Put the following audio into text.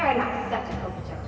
enak saja kau bicara